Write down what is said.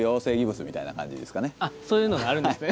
あっそういうのがあるんですね。